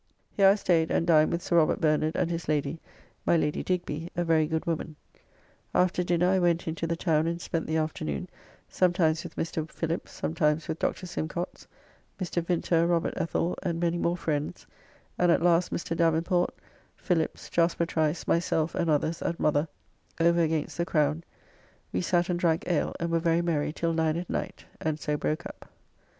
Here I staid and dined with Sir Robert Bernard and his lady, my Lady Digby, a very good woman. After dinner I went into the town and spent the afternoon, sometimes with Mr. Phillips, sometimes with Dr. Symcottes, Mr. Vinter, Robert Ethell, and many more friends, and at last Mr. Davenport, Phillips, Jaspar Trice, myself and others at Mother over against the Crown we sat and drank ale and were very merry till 9 at night, and so broke up.